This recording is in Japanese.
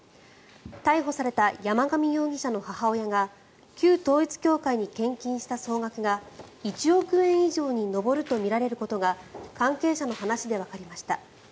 逮捕された山上容疑者の母親が旧統一教会に献金した総額が１億円以上に上るとみられることが関係者の話でわかりました。